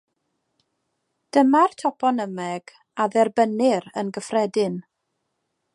Dyma'r toponymeg a dderbynnir yn gyffredin.